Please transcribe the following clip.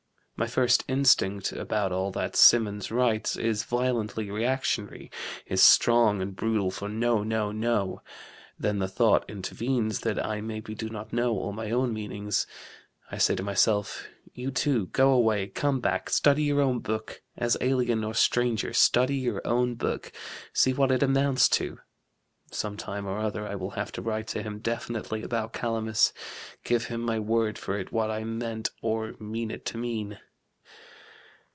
My first instinct about all that Symonds writes is violently reactionary is strong and brutal for no, no, no. Then the thought intervenes that I maybe do not know all my own meanings: I say to myself: "You, too, go away, come back, study your own book as alien or stranger, study your own book, see what it amounts to." Some time or other I will have to write to him definitely about Calamus give him my word for it what I meant or mean it to mean.'"